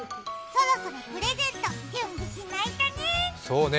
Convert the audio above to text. そろそろプレゼント、準備しないとね。